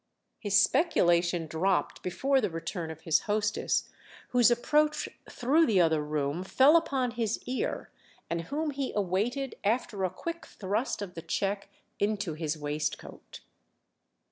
His speculation dropped before the return of his hostess, whose approach through the other room fell upon his ear and whom he awaited after a quick thrust of the cheque into his waistcoat.